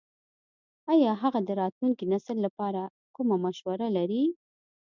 ایا هغه د راتلونکي نسل لپاره کومه مشوره لري ?